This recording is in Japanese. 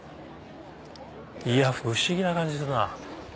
いや不思議な感じするな。